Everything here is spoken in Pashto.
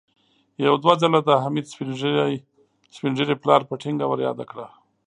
يو دوه ځله د حميد سپين ږيري پلار په ټينګه ور ياده کړه.